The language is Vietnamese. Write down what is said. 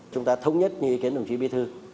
chúng ta thống nhất như ý kiến đồng chí bí thư